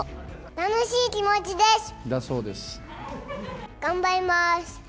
楽しい気持ちです！